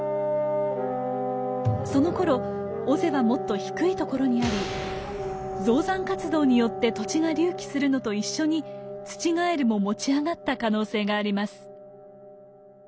そのころ尾瀬はもっと低いところにあり造山活動によって土地が隆起するのと一緒にツチガエルも持ち上がった可能性があります。